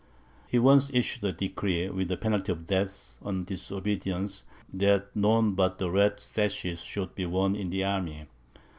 He once issued a decree, with the penalty of death on disobedience, that none but red sashes should be worn in the army.